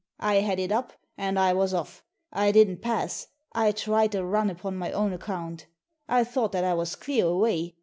I had it up, and I was off. I didn't pass; I tried a run upon my own account I thought that I was clear away.